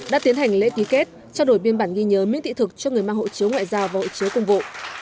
đã tiến hành lễ ký kết trao đổi biên bản ghi nhớ miễn thị thực cho người mang hộ chiếu ngoại giao và hộ chiếu công vụ